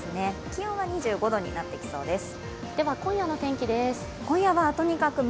気温は２５度になってきそうです。